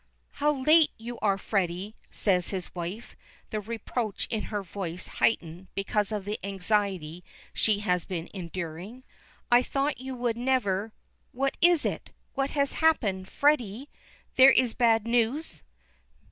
"How late you are, Freddy," says his wife, the reproach in her voice heightened because of the anxiety she had been enduring. "I thought you would never What is it? What has happened? Freddy! there is bad news."